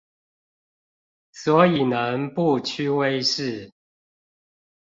所以能不屈威勢